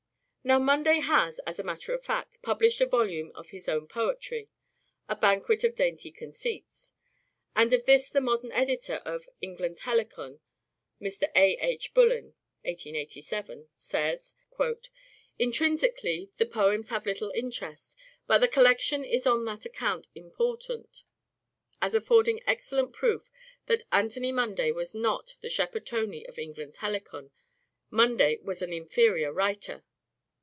Now Munday has, as a matter of fact, published a volume of his own poetry, " A Banquet of Dainty Conceits "; and of this the modern editor of " England's Helicon," Mr. A. H. Bullen (1887), says :" Intrinsically the poems have little interest ; but the collection is on that account important, as afford ing excellent proof that Anthony Munday was not the Shepherd Tony of ' England's Helicon.' Munday was an inferior writer."